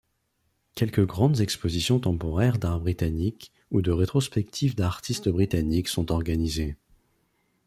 Quelques grandes expositions temporaires d'art britannique ou de rétrospectives d'artistes britanniques sont organisées.